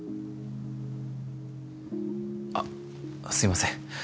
あすいません